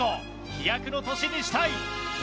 飛躍の年にしたい！